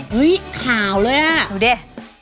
เห้ยขาวเลยอะดูดิ